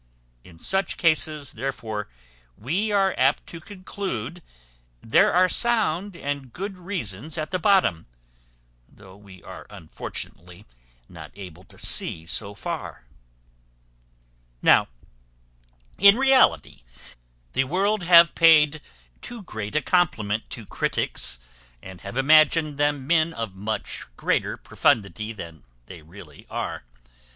In such cases, therefore, we are apt to conclude there are sound and good reasons at the bottom, though we are unfortunately not able to see so far. Now, in reality, the world have paid too great a compliment to critics, and have imagined them men of much greater profundity than they really are.